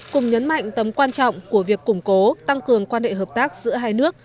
cùng nhấn mạnh tấm quan trọng của việc củng cố tăng cường quan hệ hợp tác giữa hai nước